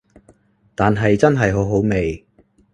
但係真係好好味